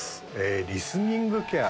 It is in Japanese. リスニングケア